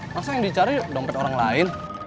masa yang dicari dompet orang lain